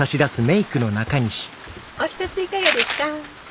お一ついかがですか？